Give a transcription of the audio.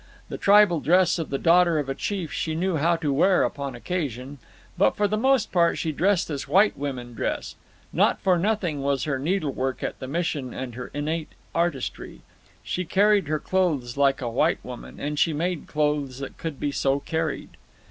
The tribal dress of the daughter of a chief she knew how to wear upon occasion. But for the most part she dressed as white women dress. Not for nothing was her needlework at the Mission and her innate artistry. She carried her clothes like a white woman, and she made clothes that could be so carried.